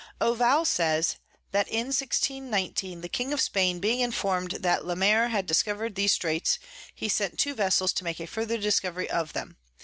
Ovalle says, that in 1619 the King of Spain being inform'd that Le Maire had discover'd these Straits, he sent two Vessels to make a further Discovery of 'em.